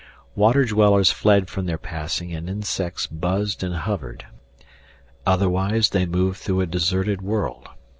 Water dwellers fled from their passing and insects buzzed and hovered. Otherwise they moved through a deserted world.